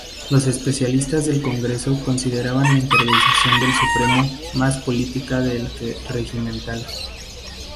Los especialistas del Congreso consideraban la intervención del Supremo más política del que regimental.